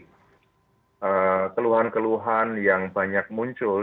karena keluhan keluhan yang banyak muncul